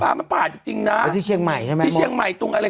มันป่าจริงจริงนะที่เชียงใหม่ใช่ไหมที่เชียงใหม่ตรงอะไร